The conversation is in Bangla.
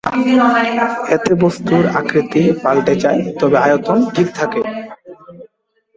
এতে বস্তুর আকৃতি পালটে যায়, তবে আয়তন ঠিক থাকে।